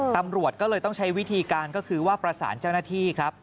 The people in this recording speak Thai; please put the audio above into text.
ตำรวจก็เลยต้องใช้วิธีการก็คือว่าประสานเจ้าหน้าที่ครับ